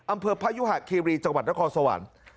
อำเภอพยุหะคีรีจังหวัดนครสวรรค์